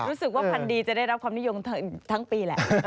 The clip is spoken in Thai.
รู้สึกว่าพันธุ์ดีจะได้รับความนิยมทั้งปีแหละ